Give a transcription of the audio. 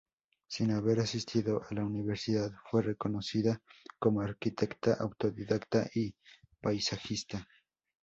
Sin haber asistido a la universidad, fue reconocida como arquitecta autodidacta y paisajista.